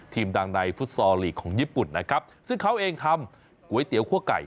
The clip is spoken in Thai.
ดังในฟุตซอลลีกของญี่ปุ่นนะครับซึ่งเขาเองทำก๋วยเตี๋ยวคั่วไก่